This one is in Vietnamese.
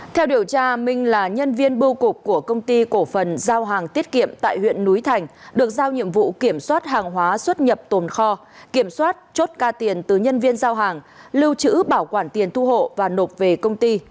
theo điều tra minh là nhân viên bưu cục của công ty cổ phần giao hàng tiết kiệm tại huyện núi thành được giao nhiệm vụ kiểm soát hàng hóa xuất nhập tồn kho kiểm soát chốt ca tiền từ nhân viên giao hàng lưu trữ bảo quản tiền thu hộ và nộp về công ty